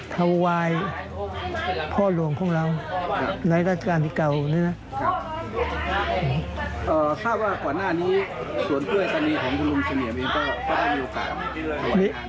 ถวายพ่อหลวงของเราหลายราชกาลที่เก่านี้นะ